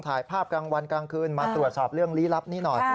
ถ่ายภาพกลางวันกลางคืนมาตรวจสอบเรื่องลี้ลับนี้หน่อย